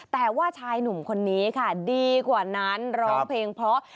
แต่ว่าชายหนุ่มคนนี้ค่ะดีกว่านั้นร้องเพลงเพราะ